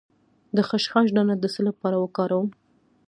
د خشخاش دانه د څه لپاره وکاروم؟